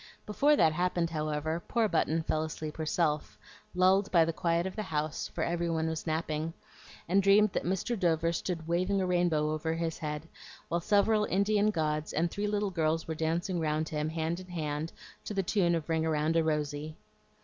Before that happened, however, poor Button fell asleep herself, lulled by the quiet of the house, for every one was napping, and dreamed that Mr. Dover stood waving a rainbow over his head, while several Indian gods and three little girls were dancing round him, hand in hand, to the tune of "Ring around a rosy."